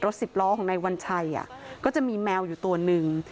สิบล้อของนายวัญชัยก็จะมีแมวอยู่ตัวหนึ่ง